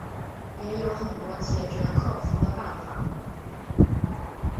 也有很多解决克服的方法